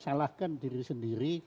salahkan diri sendiri